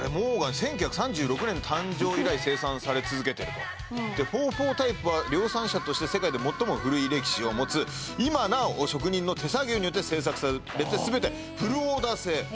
１９３６年の誕生以来生産され続けてると４／４タイプは量産車として世界で最も古い歴史を持つ今なお職人の手作業によって製作されて全てフルオーダー制